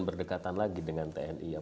berdekatan lagi dengan tni